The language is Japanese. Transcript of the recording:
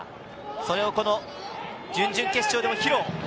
それを準々決勝でも披露。